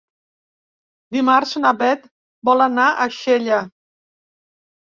Dimarts na Beth vol anar a Xella.